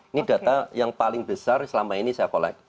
ini data yang paling besar selama ini saya collect